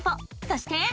そして。